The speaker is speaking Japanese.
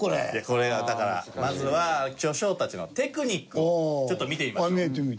これはだからまずは巨匠たちのテクニックをちょっと見てみましょう。